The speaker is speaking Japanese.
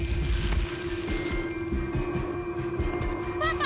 パパ！